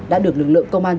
đã được lực lượng công an